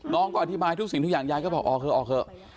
น้องก็อธิบายทุกสิ่งทุกอย่างยายก็บอกออกเถอะออกเถอะ